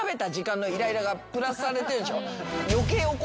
プラスされてるでしょ。